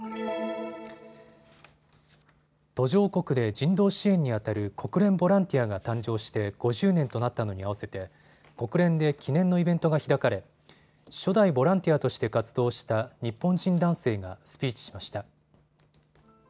途上国で人道支援にあたる国連ボランティアが誕生して５０年となったのに合わせて国連で記念のイベントが開かれ初代ボランティアとして活動した日本人男性がスピーチしました。